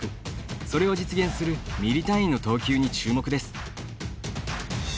それを実現するミリ単位の投球に注目です。